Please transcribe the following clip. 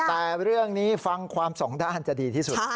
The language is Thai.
แต่เรื่องนี้ฟังความสองด้านจะดีที่สุด